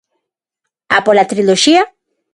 A pola triloxía?